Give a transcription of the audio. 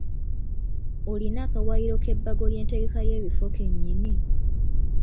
Olina akawayiro k'ebbago ly'entegeka y'ebifo ke nnyini?